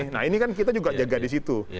nah ini kan kita juga jaga disitu